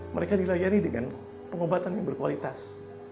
mereka dilayani dengan pengobatan yang berkualitas